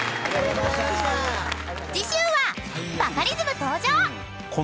［次週はバカリズム登場！］